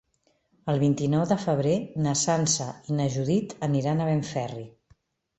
El vint-i-nou de febrer na Sança i na Judit aniran a Benferri.